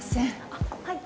・あっはい。